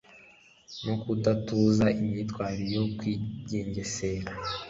no kudatuza imyitwarire yo kwigengesera